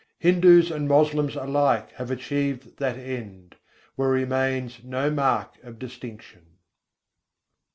Hindus and Moslems alike have achieved that End, where remains no mark of distinction.